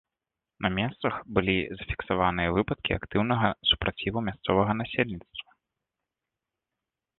На месцах былі зафіксаваныя выпадкі актыўнага супраціву мясцовага насельніцтва.